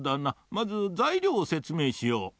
まずざいりょうをせつめいしよう。